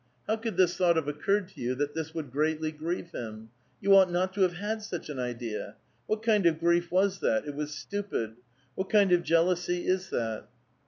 How could this thought have occurred to you, that this would greatly grieve him? You ought not to have had such an idea. What kind of grief was that? It was stupid. What kind of jealousy is that?"